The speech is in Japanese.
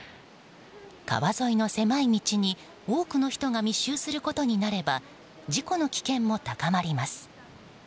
川沿いの狭い道に多くの人が密集することになれば事故の危険も高まります。